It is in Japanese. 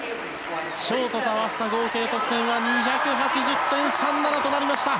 ショートと合わせた合計得点は２８０．３７となりました。